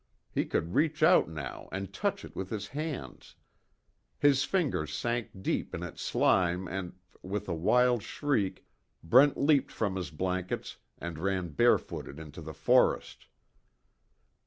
He could reach out now and touch it with his hands. His fingers sank deep in its slime and with a wild shriek, Brent leaped from his blankets, and ran barefooted into the forest.